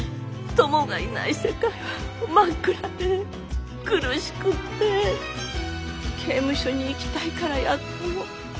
トモがいない世界は真っ暗で苦しくって刑務所に行きたいからやったの。